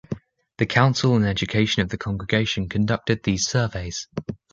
The Council on Education of the Congregation conducted these surveys.